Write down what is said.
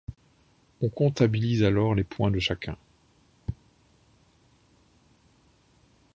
On comptabilise alors les points de chacun.